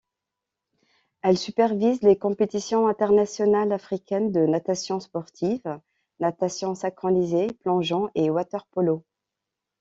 Elle supervise les compétitions internationales africaines de natation sportive, natation synchronisée, plongeon et water-polo.